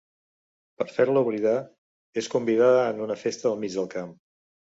Per fer-la oblidar, és convidada en una festa al mig del camp.